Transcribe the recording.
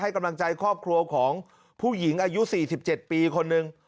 กำลังใจครอบครัวของผู้หญิงอายุ๔๗ปีคนหนึ่ง